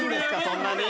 そんなに。